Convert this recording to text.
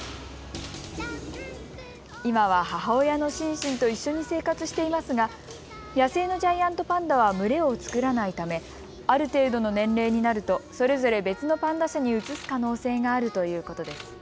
今は母親のシンシンと一緒に生活していますが野生のジャイアントパンダは群れを作らないためある程度の年齢になるとそれぞれ別のパンダ舎に移す可能性があるということです。